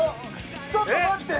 ちょっと待って！